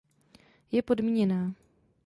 Je podmíněná.